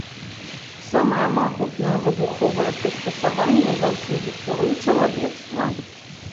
Самае магутнае выбуховае прыстасаванне за ўсю гісторыю чалавецтва.